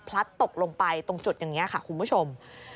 ตกลงไปตรงจุดอย่างนี้ค่ะคุณผู้ชม